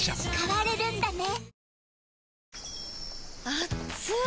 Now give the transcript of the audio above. あっつい！